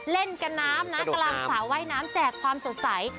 เล่นกันน้ำนะกำลังสาวว่ายน้ำแจกความสดใส